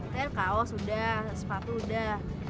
kayaknya kaos udah sepatu udah